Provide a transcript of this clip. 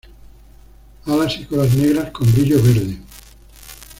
Alas y colas negras con brillo verde.